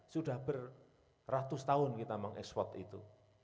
sudah beratus tahun kita mengekspor itu